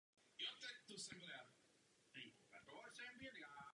Všechny tyto události se stávají součástí našeho každodenního života.